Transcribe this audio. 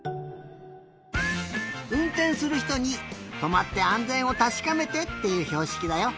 うんてんするひとにとまってあんぜんをたしかめてっていうひょうしきだよ。